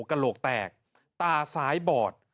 กระโหลกแตกตาซ้ายบอด